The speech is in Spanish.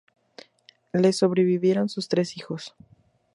Le sobrevivieron sus tres hijos.